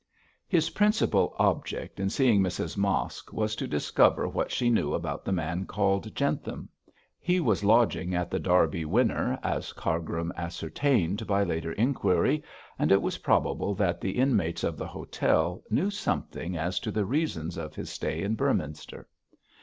His principal object in seeing Mrs Mosk was to discover what she knew about the man called Jentham. He was lodging at The Derby Winner, as Cargrim ascertained by later inquiry, and it was probable that the inmates of the hotel knew something as to the reasons of his stay in Beorminster.